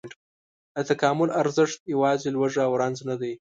د تکامل ارزښت یواځې لوږه او رنځ نه دی.